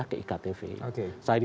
kita sudah dipindah ke iktp